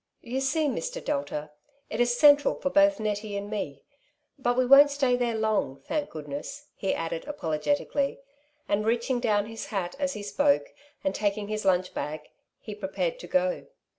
*'Tou see, Mr. Delta, it is central for both Nettie and me ; but we won't stay there long, thank goodness,'' he added apologeti cally; and reaching down his hat as he spoke, and taking his lunch bag, he prepared to go.